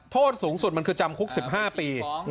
โทษสูงสุดมันคือจำคุก๑๕ปี